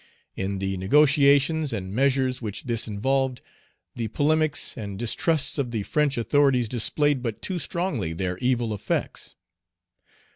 In the negotiations and measures which this involved, the polemics and distrusts of the French authorities displayed but too strongly their evil effects.